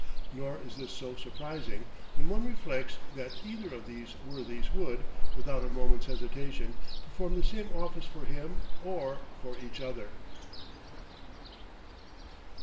Nor is this so surprising, when one reflects that either of these worthies would, without a moment's hesitation, perform the same office for him or for each other.